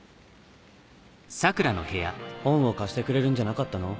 本を貸してくれるんじゃなかったの？